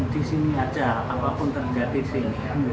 di sini aja apapun terjadi di sini